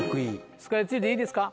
スカイツリーでいいですか？